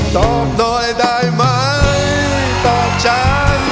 ตอบหน่อยได้ไหมตอบใจ